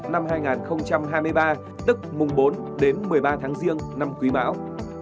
năm hai nghìn hai mươi ba tức mùng bốn đến một mươi ba tháng riêng năm quý bão